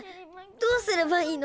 どうすればいいの？